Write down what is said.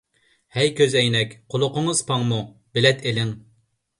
ھەي كۆزئەينەك، قۇلىقىڭىز پاڭمۇ؟ بېلەت ئېلىڭ!